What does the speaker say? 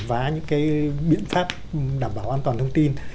và những cái biện pháp đảm bảo an toàn thông tin